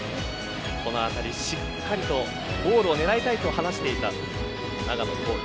このあたり、しっかりとゴールを狙いたいと話していた長野ゴール